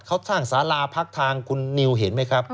เขาสร้างสาราพักทางคุณนิวเห็นไหมครับ